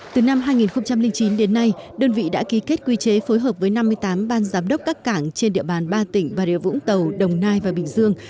từ năm hai nghìn chín đến nay đơn vị đã ký kết quy chế phối hợp với năm mươi tám ban giám đốc các cảng trên địa bàn ba tỉnh bà rịa vũng tàu đồng nai và bình dương